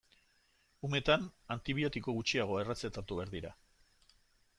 Umetan antibiotiko gutxiago errezetatu behar dira.